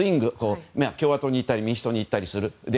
共和党に行ったり民主党に行ったりする。